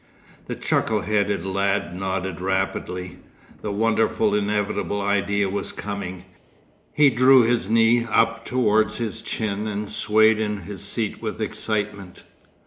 The chuckle headed lad nodded rapidly. The wonderful inevitable idea was coming. He drew his knee up towards his chin and swayed in his seat with excitement.